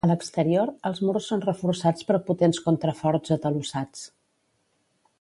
A l'exterior els murs són reforçats per potents contraforts atalussats.